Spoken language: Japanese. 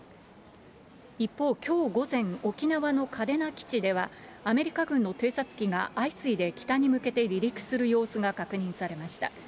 一方、きょう午前、沖縄の嘉手納基地では、アメリカ軍の偵察機が相次いで北に向けて離陸する様子が確認されました。